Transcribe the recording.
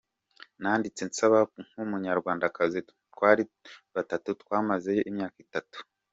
Nanditse nsaba nk’Umunyarwandakazi, twari batatu twamazeyo imyaka itatu.